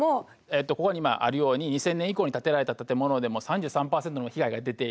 ここにまああるように２０００年以降に建てられた建物でも３３％の被害が出ている。